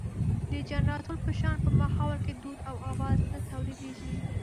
د جنراتور په شان په ماحول کې دود او اواز نه تولېدوي.